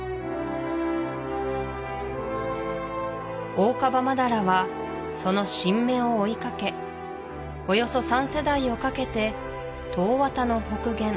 オオカバマダラはその新芽を追いかけおよそ３世代をかけてトウワタの北限